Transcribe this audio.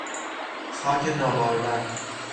خاک نابارور